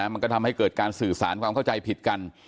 มันก็ทำให้เกิดการสื่อสารความเข้าใจผิดกัน